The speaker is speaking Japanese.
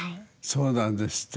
そうなんですって。